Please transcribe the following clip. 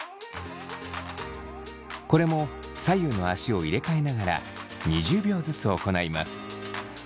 これも左右の足を入れ替えながら２０秒ずつ行います。